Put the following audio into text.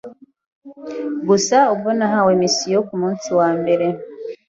gusa ubwo nahawe mission ku munsi wa mbere,